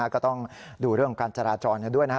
ก็ต้องดูเรื่องการจราจรด้วยนะฮะ